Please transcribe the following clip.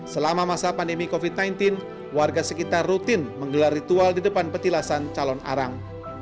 selama masa pandemi covid sembilan belas warga sekitar rutin menggelar ritual di depan petilasan calon arang